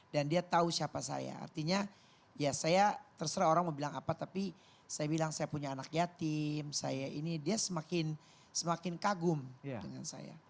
dan dia tahu siapa saya artinya ya saya terserah orang mau bilang apa tapi saya bilang saya punya anak yatim saya ini dia semakin kagum dengan saya